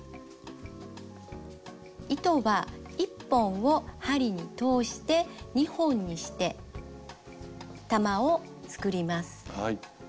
糸は１本を針に通して２本にして玉を作ります。